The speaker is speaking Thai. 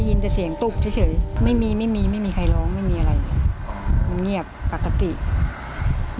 ดูกลับมาเสียงตุ๊กเจ้าข้างหน้าคงไม่มีใครเลี่ยงฟังละ